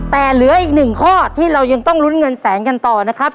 แต่เหลืออีกหนึ่งข้อที่เรายังต้องลุ้นเงินแสนกันต่อนะครับ